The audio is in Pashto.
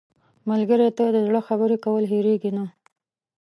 ملګری ته د زړه خبرې کول هېرېږي نه